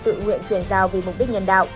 tự nguyện chuyển giao vì mục đích nhân đạo